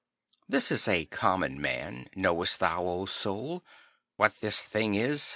'This is a common man: knowest thou, O soul, What this thing is?